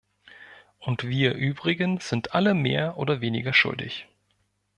Und wir übrigen sind alle mehr oder weniger schuldig.